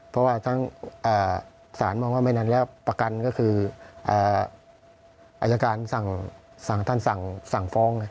เพราะว่าทั้งศาลมองว่าไม่นานแล้วประกันก็คืออายการสั่งท่านสั่งฟ้อง